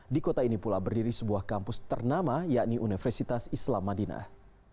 di kota ini pula berdiri sebuah kampus ternama yakni universitas islam madinah